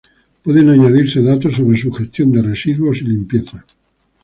Pueden añadirse datos sobre su gestión de residuos y limpieza.